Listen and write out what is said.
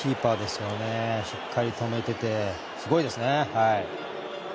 しっかり止めていてすごいですね。